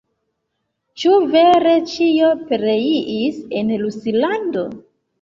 Ĉu vere, ĉio pereis en Ruslando?